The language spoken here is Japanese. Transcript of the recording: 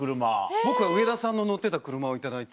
僕は上田さんの乗ってた車を頂いて。